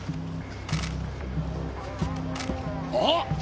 あっ！